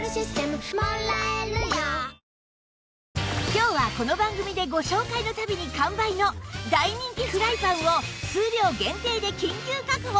今日はこの番組でご紹介の度に完売の大人気フライパンを数量限定で緊急確保